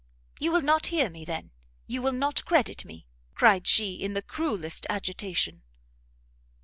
"You will not hear me, then? you will not credit me?" cried she in the cruellest agitation.